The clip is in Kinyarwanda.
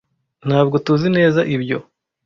Ntabwo tuzi neza ibyo.